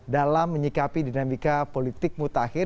dalam menyikapi dinamika politik mutakhir